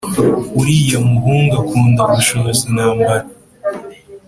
uriya muhungu akunda gushoza intambara